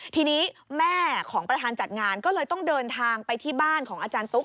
ทีนี้แม่ของประธานจัดงานก็เลยต้องเดินทางไปที่บ้านของอาจารย์ตุ๊ก